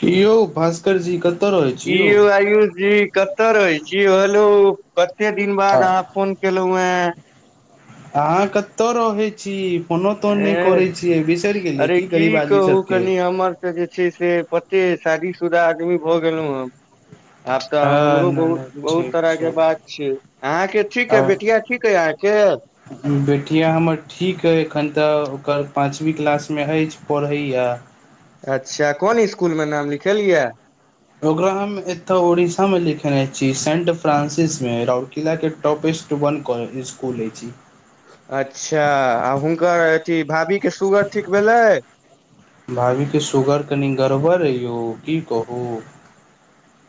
कि यौ भास्करजी कत की यौ आयुष जी कतय रहै छी यौ हेलो कते दिन बाद अहाँ फोन केलऊं है अहाँ कतय रहै छी फोनो तोन नै ए करै छियै बिसैर गेलियै की गरीब आदमी सबके त जे छै से पते शादीशुदा आदमी भऽ गेलहु हेम् आब हँ तऽ हमरो नहि बहुत नहि बहुत ठीक तरह के छै बात छै अहाँके ठीक आ अइ बेटिया ठीक अइ अहाँके बेटिया हमर ठीक अइ एखन तऽ ओकर पाँचवी क्लास मे अछि पढ़ैया अच्छा कोन इसकुल मे नाम लिखेलिया ओकरा हम एतऽ उड़ीसा में लिखेने छी सेंट फ्रांसिस में रौरकिला के टॉपस् टू वन कॉ स्कूल लै छी अच्छा आ हुनकर अथी भाभी के शुगर ठीक भेलै भाभी के सुगर कनि गड़बड़ ऐ यौ कि कहू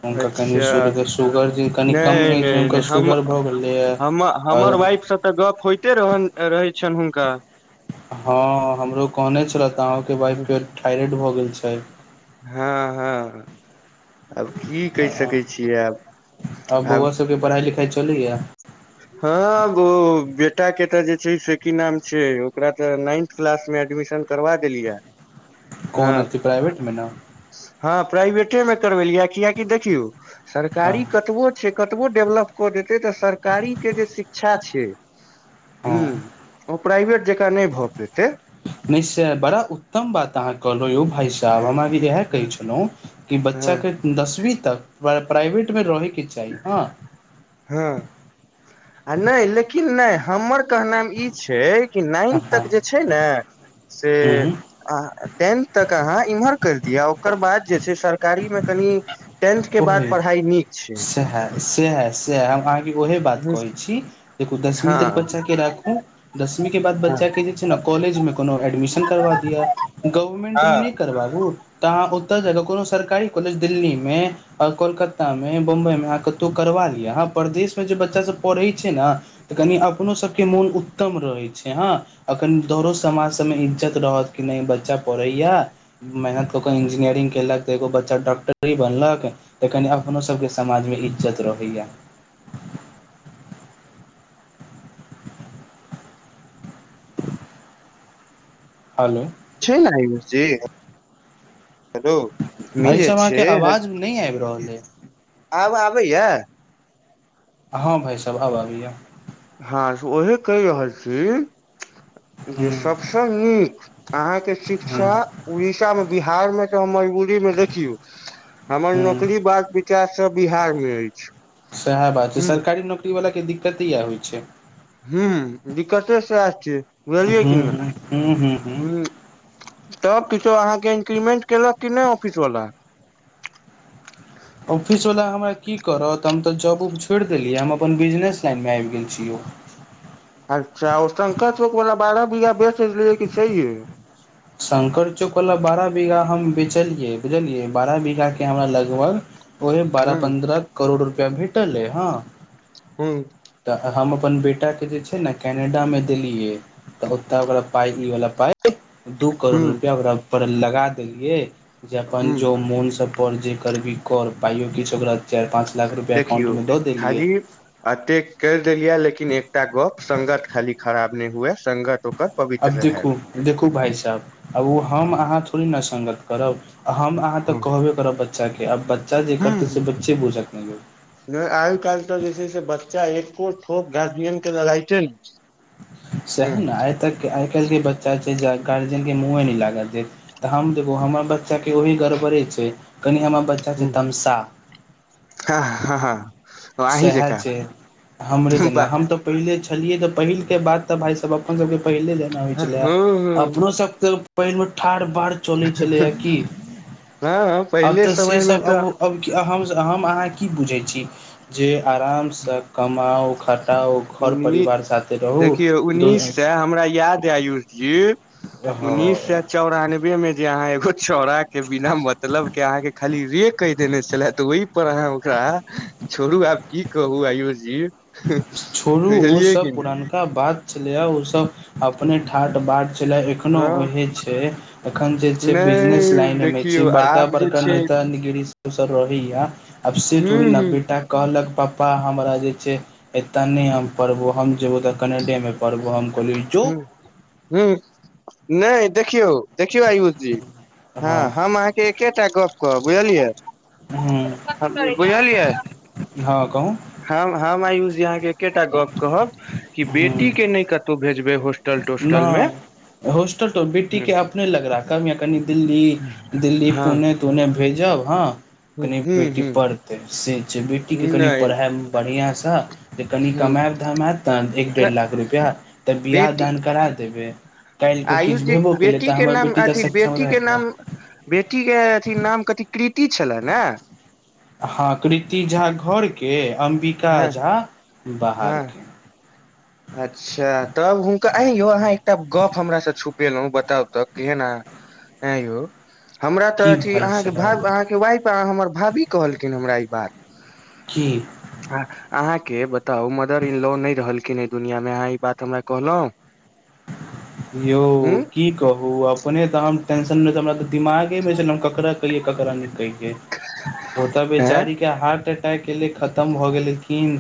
हुनका कनि अच्छा शगऽ शगर जे कनि कम नहि एजमे नहि हुनकर नहि हम शुगर भऽ गेलैए आओ त गप होइते रह रहै छनि हुनका हँ हमरो कहने छलथि अहूँके बाइफ के थायरइड भऽ गेल छै हँ हँ आब की कहि सकै आ छियै आब आब चलियए हँ ओ बेटा के त जे छै से की नाम छै ओकरा तऽ नाइन्थ क्लास मे एडमिशन करबा देलिया कोन अथि प्राइवेट में न हँ प्राइवेटे मे करबेलियै किआकि देखियौ हँ सरकारी कतबो छै कतबो डेवलप क देते तऽ सरकारी के जे शिक्षा छै हू हँ ओ प्राइवेट जकाँ नै भऽ पेतै नै से बड़ा उत्तम बात अहाँ कहलहुं यौ भाय साहब हम अभ इएह कहै हँ छेलऊॅं कि हँ बच्चाके दसवीं तक प्राइवेट मे रहैके चाही हँ हँ आ नै लेकिन नै हमर कहनाम ई छै कि नाइन हँ तक जे छै ने से आ टेन तक अहाँ इम्हर कर दिअ ओकर बाद जे छै सरकारी मे कनि टेन्थ के बाद पढ़ाइ नीक छै सेहे सेहे सेै ओहे बात कहै छी देखू दसवीं तक हँ बच्चा के राखू दसवी के बाद हँ बच्चा के जे जेना कॉलेज मे कोनो एडमिशन करबा दिअ गवर्मेन्ट मे नै हँ करबाबू तऽ अहाँ ओतय जाकऽ कोनो सरकारी कॉलेज दिल्ली मे आ कोलकत्तामे बम्बइमे अहाँ कतहु करबा लिअ अहाँ प्रदेश मे जे बच्चा सभ पढ़ै छै ने तऽ कनि अपनो सभके मोन उत्तम रहैत छै हँ एखन दोरो समाज सभमे इज्जत रहत कि नै बच्चा पढ़ैया मेहनत कऽ कऽ इंजीनियरिंग कयलक तऽ एगो बच्चा डॉक्टरी बनलक त कनि अपनो सभ के समाज मे इज्जत रहैए हालौ छै न आयुष जी हेलो जे भाइसभ अहाँके छै आवाज नै आबि रहल अइ आब आबैया हँ भाइ सभ आब आबैय हँ से उहे कहि रहल छी हूँ जे सबस नीक आहाॅं के हूँ शिक्षा उड़ीसा मे बिहार में त मजबू अय में देखियौ हमर हूँ नौकरी बाद विचार सब बिहार मे अछि सेहे बात छै ह सरकारी नौकरी वाला के दिक्कते इएहे होइ छै ह दिक्कते स आए छियै बुझलियै हूँ की हूँ हूँ हूँ हूँ नहि हॅ तब किछो अहाँके इंक्रीमेंट केलक क नहि ऑफिसवला ऑफिसवला हमरा की करत हम तऽ जॉब उब छोड़ि देलियै हम अपन बिजनेस लाइनमे आबि गेल छीय ओ अच्छा ओ शंकर चौक वालला बारह बीघा बेच लियै क छैहिए शंकर चौकवला बारह बीघा हम बेचलियै बुझलियै बारह बीघाके हमरा लगभग ओहे ह बारह पन्द्रह करोड़ रुपैआ भेटलअय हँ हू तऽ हम अपन बेटाके जे छै ने कैनेडामे देलियै त ओ त ओक पाय ई वला पाय दू करोड़ ह रुपैआ ओकरापर लगा देलियै जे अपन ह जो मोन स कर जे करबी कर पायो किछु ओकरा चारि पाँच लाख रुपैआ अकाउंटमे दऽ देलियै अते कर देलिये लेकिन एकटा गप संगत खाली खराब ने हुए संगत ओकर पवित्र अब रहै देखू देखू भाय साहेब आब ओ हम हं अहाँ थोड़े न सगंत करब हम अहाँ तक हं कहबे करब बच्चाके आब बच्चा जे करतै से बच्चे बुझत नहि यो नहि आइ काल्हि तऽ जे छै से बच्चा एको ठोप गार्जियन के न डराइते छै हूं सह ने आइ तक आइ काल्हि के बच्चा छै गार्जियन के मुँहे नहि लागत तऽ हम देखू हमर बच्चाके ओही गड़बड़े छै कनि हमर बच्चा छै हूं तमशाह हँ हँ हँ अहीं सएह जेका छै हमरे जेना बा हम तऽ पहिले छलियै तऽ पहिलके बात तऽ भाइसभ अपन सबके पहिले लेना होइ हँ छले अपनो सबके पहिल मे ठाढ़ बार चलै छलैया की हँ आब पहिले तऽ से समय मे सब तऽ अब अब हम हम अहाँ की बुझै छी जे आरामसँ कमाउ खटा ताउ घर उन्नी परिवार साथे रहू देखियौ उन्नीस सए हमरा ह [unintelligible] उन्ननीस सए चौरानबे में जे अहाँ एगो चौड़ा के बिना मतलब के अहाँ के खाली रे कहि देने छले त ओहि पर अहाँ ओकरा छोड़ू आब की कहू आयुष जी छोड़ू बुझलियै ओसभ कि नहि पुरनकनका बात छलैए ओसभ अपने ठाट बाट चे एखनो हँ ओहे छै एखन जे छै बिजनेस नहि लाइन मे देखियौ बड़का आब जे बड़का छै नेता निगरी रहै य अबस ोड़ी हूँ हूँ नब्बेटाक कहलक पपा हमरा जे छै एतऽ नहि हम पढ़बौ हम जेबौ तऽ कनेडेमे पर्वो हम कहिलै जौ हू नहि देखियौ देखियौ आयुष जी हँ हम अहाँके एकेटा गप कहब बुझलियै हूँ बुझलियै हँ कहु हम हम आयुष जी अहाँके एकेटा गप कहब कि हूँ बेटी के नहि कतहु भेजबै होस् टोस्टलमे हॉस्टल तो बेटीके अपने लग रहा कभ या कनि दिल्ली दिल्ली हँ पुने तने तून्ने भेजब हँ हूं कनि बेटी हूं पढ़तै से जे बेटीके कनि नहि पढ़ाइमे बढ़िआँसँ जे कनि हूं कमाायब धाम हयत ने एक डेढ़ लाख रुपआ तऽ बियाह दान करा देबे आयोजी बेटी के नाम बेटी तऽ अथी सक्षम बेटी के रहत ने नाम बेटी के अथी नाम कथी कृति छले ने हँ कृति झा घर के अम्बिका हँ झा हँ बाहरके अच्छा तब हुनका आइयौ अहाँ एकटा गप हमरा से छुपेलहुँ बताउ तक केना [unintelligible] ए यौ हमरा तऽ की अथी भाय अहाँके भा साहब अहाँके वाइफ आ हमर भाभी कहलखिन हमरा ई बात की अहाँके बताउ मदर इन लॉ नहि रहलखिन दुनियामे अहाँ ई बात हमरा कहलहुँ यौ हूँ की कहू आब अपने त टेंशन मे हमरा दिमागे मे छैन हम ककड़ा कहियै ककड़ा नै कहियै ओ तऽ ऐं बेैचारी के हार्ट अटैक एलै खतम भऽ गेलखिन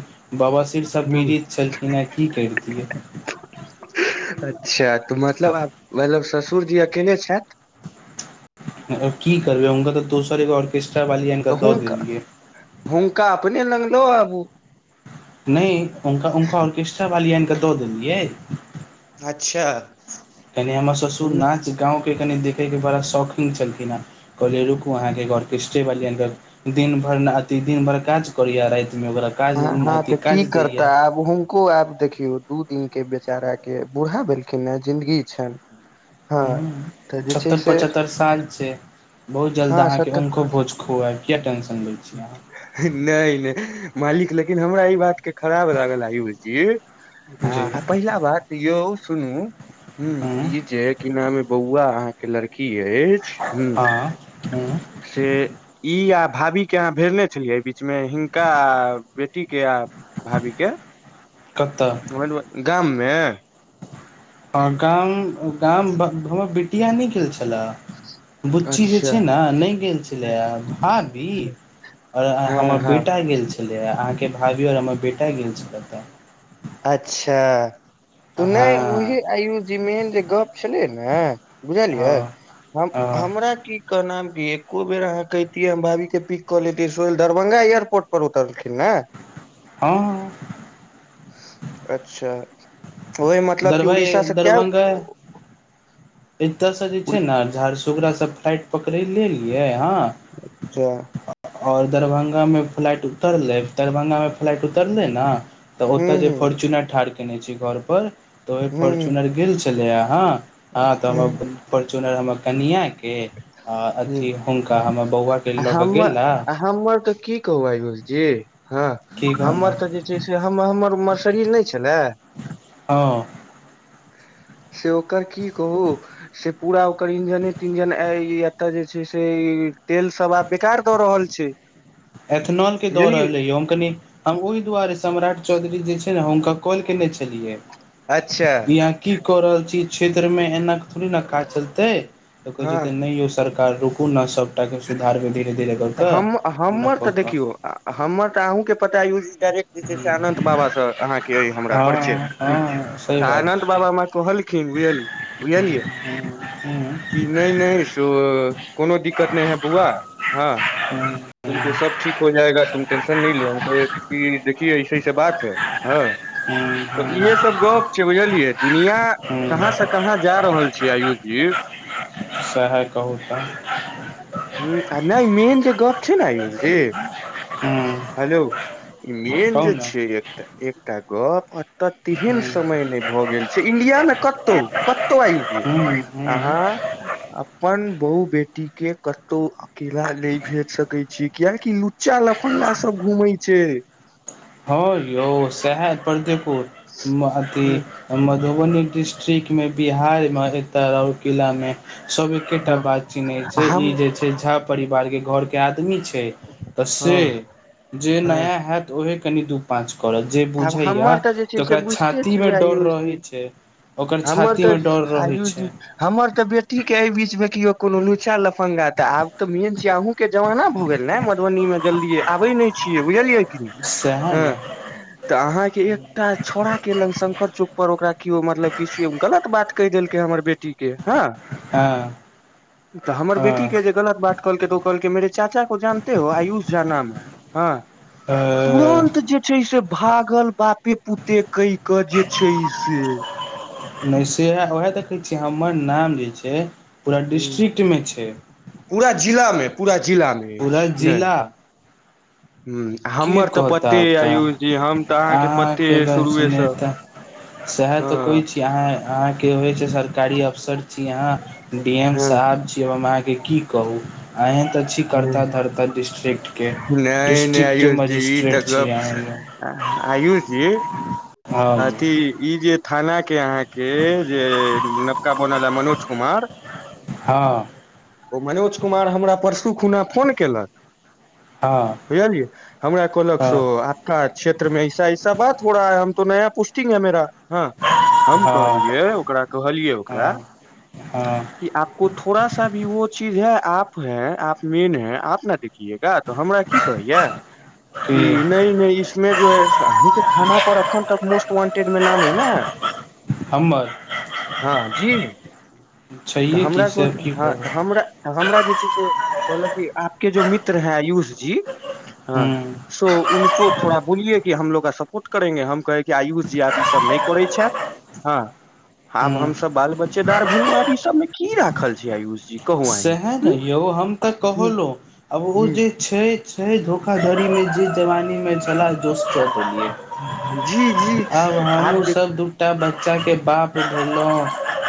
बाबा शिरसँ हूँ पीड़ित छलखिन हें की कैरतियै अच्छा तऽ मतलब आब मतलब ससुर जी अकेले छथि की करबै हुनका तऽ दोसर एगो अर्केस्ट्रा वाली अइन तऽ के दऽ हुनका देलियै हुनका अपने लग लो आबू नहि हुनका हुनका ऑर्केस्ट्रा वाली आनि कऽ दऽ देलियै अच्छा कनी हमर ससुर नाच गाँमके कनि देखैके बड़ा शौकीन छलखिन हें कलेरुकु आहाँके एगो आर किसते दिन भर अति दिन भर काज करैए रातिमे ओकरा काज अथी काज दैए को आब देखियौ दू दिन के बेचारा के बूढ़ा भेलखिन ने जिंन्दगी छनि हँ तऽ हूंम्म जे छै छत्तर से पचहत्तर साल छै बहुत जल्द हँ अहाँके सत उनको भोज खोआएब किए टेंशन लैत छी अहाँ नहि नहि मालिक लेकिन हमरा ई बात के खराब लागल आयूष जी जी हँ आ पहिला बात यौ सुनू हूंम्म हूँ ई जे की नाम यै बौआ अहाँ के लड़की अय हँ हूंम्म से ई आ भाभी के अहाँ भेजने छेलियै एहि बीच मे हिनका आ बेटी के आ भाभी के कतऽ गाममे हँ गाम गाम [unintelligible] हमर बेटिया नहि गेल छलै बुच्ची जे अच्छा छै ने नहि गेल छलैये भाभी आओर हँ हमर हँ बेटा गेल छलै अहाँके भाभी आओर हमर बेटा गेल छलै तऽ अच्छा तऽ हँ नहि उहे आयुषजी मेन जे गप छलै ने बुझलियै हँ हम हँ हमरा की कहनाम की एको बेर अहाँ कहितियै हम भाभी के पिक कऽ लेतियै सोल दरभंगा एयरपोर्ट पर उतरलखिन ने हँ अच्छा तऽ ओहि मतलब कि उड़ीसा दरभइ से कै एतयसँ जे छै ने झड़सूगड़ासँ फ्लाइट पकड़ै लेलियै हँ अच्छा आओर दरभंगा मे फ्लाइट उतरलै दरभंगा मे फ्लाइट उतरलै ने तऽ हूँ ओतय जे हूँ फोर्च्युनर ठाढ़ केने छी घर पर तऽ ओहि हूँ फोर्च्युनर गेल छेलै अहाँ हँ तऽ हूँ हमर फोर्च्युनर हमर कनियाँ के के हूँ अथी हुनका हमर बौआ के लऽ कऽ हमर गेला आ हमर तऽ की कहू आयूष जी हँ की कहू ने हमर तऽ जे से छै से हम हमर हमर मर्सिडिस नहि छलै हँ से ओकर की कहू से पूरा ओकर इंजने इंजन ई एतय जे छै से ई तेल सब आब बेकार दऽ रहल छै एथेनॉलके दऽ बुझलियै रहलै ये हम कनी हम ओहि दुआरे सम्राट चौधरी जे छै ने हुनका कॉल केने छेलियै अच्छा अहाँ की रहल छी क्षेत्र मे एना थोड़ी न काज चलतै तऽ कहै हँ छथिन नै यौ सरकार रुकू ने सबटा के सुधारवै धीरे धीरे द तऽ कऽ हम एना हमर कऽ तऽ कऽ देखियो हमर तऽ अहूँ के पता ये डायरेक्ट जे छै से अनंत बाबा सँ अहाँ के अय हमरा परिचय हँ ह हँ सही तऽ बात अनंत बाबा हमरा कहलखिन बुझल हूँ बुझलियै नहि नहि सो कोनो दिक्कत नहि है बौआ हँ हूंम्म तुमको सब ठीक हो जाएगा तुम टेंशन नहि लो हम कह क देखियए ऐसेऐस बात हँ ह [inaudible] तऽ इहे सब गप छै बुझलियै दुनिया हूँ कहाँ हूँ से कहाँ जा रहल छीयै आयुष जी सै है कहू तऽ ह आ नहि मेन जे गप छै ने आयुष जी हूँ हेलो ई मेन कहू जे ने छै एकटा एकटा गप तऽ तेहन समय ने भए गेल छै इंडिया मे कतहु कतौ आय जे हू हूँ अपन बहु बेटी के कतौ अकेला नहि भेज सकै छी कियकि लुचा लफंगा सब घूमेै छै ह यौ शैहा परर्देपुरथी ह मधुबनी डिस्ट्रिक्टमे बिहारमे एतऽ रौरकिलामे सब एकेटा ह बात चिन्हैत छै ई हम जे छै झा परिवार के घर के आदमी छै तऽ हँ से जे हँ नया होयत ओहे कनि दु पाँच करत जे आब बुझैया हमर जे छै तऽ से ओकरा बुझिते छाती मे छियै डर आयुष रहै जी छै ओकर हमर छाती मे तऽ डर रहैत आयुष छै जी हमर त बेटी के ए बीच में कोनो लुचा लफंगा दरभंगा तऽ आब तऽ मेन छिय अहूँके जमाना भऽ गेल ने मधुबनी मे जल्दी आबे नहि छियै बुझलियै की नहि सेहै ने हँ [unintelligible] तऽ अहाँ के एकटा छौड़ा केेलंग शंकर चौक पर ओकरा केओ मतलब किछ गलत बात कहि देलक हमर बेटी के हँ हँ तऽ हमर बेटी हँ के जे गलत बात कहलकै तऽ ओ कहलक मेरे चाचा को जानते हो आयुष झा नाम है हँ हँ, तुरन्त जे छै से भागल बापे पुते कइ क जे छै से नहि सेहै उहै देखै छियै हमर नाम जे छै पूरा डिस्ट्रिक्टमे छै पूरा जिला में पूरा जिला मे पुरा अछि नहि जिला की हमर तऽ कहता पते यै तऽ आयुष जी हम तऽ अहाँके पते है शुरुए सँ सहै तऽ कहय छी अहाँ अहाँ के होइ छै सरकारी अफसर छी यहाँ डी एम हँ साहब छी [inaudible] छी करता धरता डिस्ट्रिक्ट के नहि नहि डिस्ट्रिक्ट आयुष जी इ त मजिस्ट्रेट छी अहाँ गप आयुषजी हँ अथी ई जे थाना के अहाँके जे नवका बनला मनोज कुमार हँ ओ मनोज कुमार हमरा परसू खुना फोन केलक हँ भैया जी हमरा कहलक आपका क्षेत्र मे ऐसा ऐसा बात हो रहा है तो ना पुस्टिंग है मेरा हँ हम हँ हँ कहलियै ओकरा कहलियै ओकरा हँ हँ कि आपको थोड़ा सा भी वो चीज है आप है आप मेन है आप न देखिए तो हमरा की कहैया की कि नहि नहि इसमे जो है अहीं के थाना पर अखन तक मोस्ट वंटेड मे नाम है ने हमर ह जी तऽ छैहे की हमरा से कोल की हँ तऽ करबै हँ हमरा तऽ हमरा जे छै से कहलक क आपके जो मित्र है आयुष जी हँ हूँ सो उको थोड़ा बोलिए कि हमलोगा सपोर्ट करेंगे हम कह आयुष जी आब ई सब नहि करै छथ हँ आब हूँ हमस बाल बच्चेदार भेलहु आब ई सबमे की राखल छी आयुस सहे ने यौ हम तऽ हूँ कहलो आब ओ हूँ जे छै छै धोखाधड़ीमे जीत जवानीमे चला जोश च देलियै जी जी आ देख एकटा बच्चा के बाप भेलौ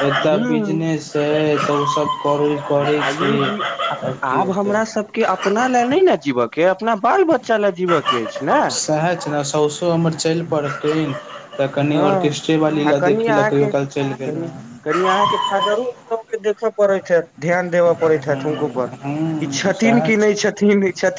एकटा हूँ बिजनेस हे तऽ ओ सब करू आयु जी आब हमरा सब के अपना ले नहि ने जीव के अपना बाल बच्चा लए जीवय के अछि न सएह छलै सौसो हमर चैल पड़तैन तऽ कनि हँ ऑर्केस्ट्रे वाली आ लऽ कनि देखी लए कहियो अहाँके काल चैल कनि गेलोह कनि अहाँ के फादरो सब के देखऽ पड़े हैत ध्यान देबऽ पड़ैत हँ हैत हुनको पर ई हँ छथिन सएह कि नहि छै छथिन ई छथिन